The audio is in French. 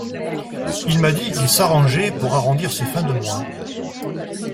Il m’a dit qu’il s’arrangeait pour arrondir ses fins de mois.